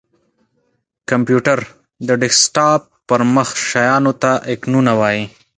کمپېوټر:د ډیسکټاپ پر مخ شېانو ته آیکنونه وایې!